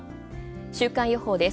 週間予報です。